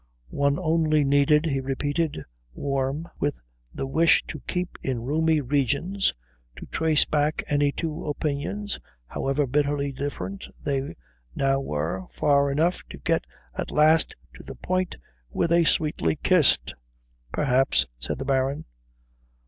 One only needed, he repeated, warm with the wish to keep in roomy regions, to trace back any two opinions, however bitterly different they now were, far enough to get at last to the point where they sweetly kissed. "Perhaps," said the Baron.